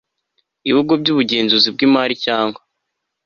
ibigo by ubugenzuzi bw imari cyangwa